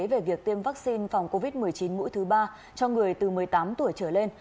về việc tiêm vaccine phòng covid một mươi chín mũi thứ ba cho người từ một mươi tám tuổi trở lên